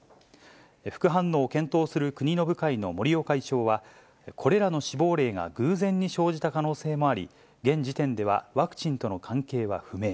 副反応を検討する国の部会は森尾会長は、これらの死亡例が偶然に生じた可能性もあり、現時点ではワクチンとの関係は不明。